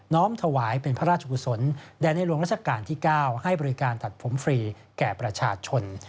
้อมถวายเป็นพระราชกุศลแด่ในหลวงราชการที่๙ให้บริการตัดผมฟรีแก่ประชาชน